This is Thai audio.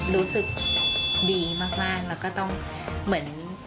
รู้สึกดีมากแล้วก็ต้องเหมือน